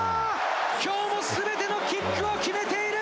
きょうもすべてのキックを決めている。